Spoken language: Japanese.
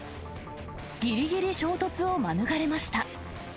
ぎりぎり衝突を免れました。